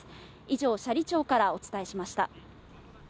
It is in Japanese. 以上、斜里町からお伝えしました。